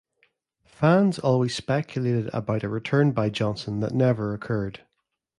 Fans always speculated about a return by Johnson that never occurred.